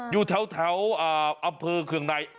อยู่แถวอำเภอเคืองใน